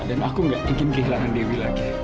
dan aku gak ingin kehilangan dewi lagi